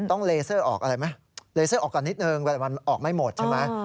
เลเซอร์ออกอะไรไหมเลเซอร์ออกก่อนนิดนึงแต่มันออกไม่หมดใช่ไหม